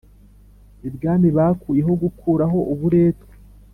ibwami bakuyeho gukuraho uburetwa